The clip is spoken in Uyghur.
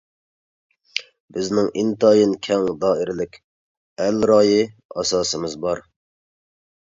بىزنىڭ ئىنتايىن كەڭ دائىرىلىك ئەل رايى ئاساسىمىز بار.